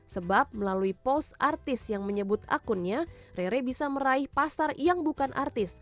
sebab melalui post artis yang menyebut akunnya rere bisa meraih pasar yang bukan artis